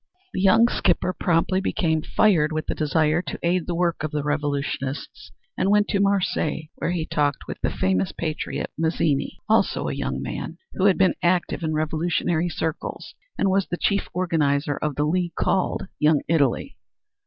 The young skipper promptly became fired with the desire to aid the work of the revolutionists and went to Marseilles where he talked with the famous patriot, Mazzini, also a young man, who had been active in revolutionary circles and was the chief organizer of the league called Young Italy.